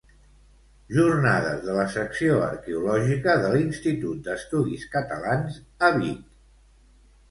Jornades de la Secció Arqueològica de l'Institut d'Estudis Catalans a Vic.